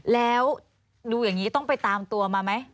แล้วดูอย่างนี้ต้องไปตามตัวมาไหม